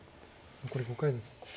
残り５回です。